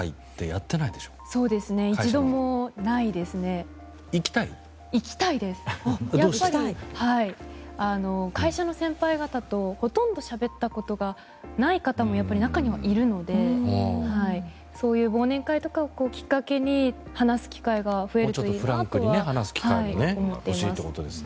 やっぱり会社の先輩方とほとんどしゃべったことがない方もやっぱり中にはいるのでそういう忘年会とかをきっかけに話す機会が増えるといいなとは思っています。